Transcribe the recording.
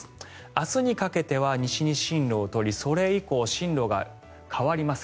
明日にかけては西に進路を取りそれ以降、進路が変わります。